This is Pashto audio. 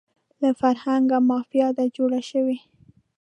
له فرهنګه مافیا ده جوړه شوې